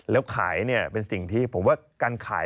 แล้วขายเนี่ยเป็นสิ่งที่ผมว่าการขาย